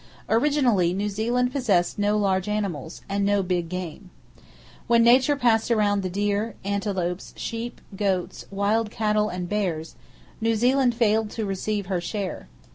Originally, New Zealand possessed no large animals, and no "big game." When Nature passed around the deer, antelopes, sheep, goats, wild cattle and bears, New Zealand failed to receive her share.